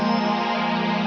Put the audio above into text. acing kos di rumah aku